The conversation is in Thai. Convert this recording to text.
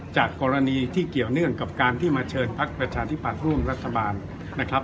จากกรณีที่เกี่ยวเนื่องกับการที่มาเชิญพักประชาธิบัติร่วมรัฐบาลนะครับ